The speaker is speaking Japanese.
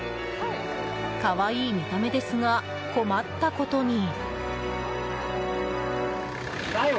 可愛い見た目ですが困ったことに。